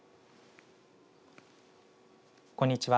こんにちは。